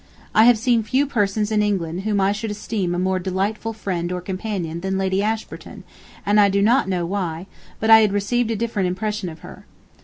I have seen few persons in England whom I should esteem a more delightful friend or companion than Lady Ashburton, and I do not know why, but I had received a different impression of her.